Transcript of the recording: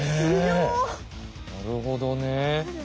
なるほどね。